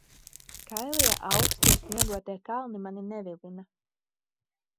Kailie, aukstie, sniegotie kalni mani nevilina.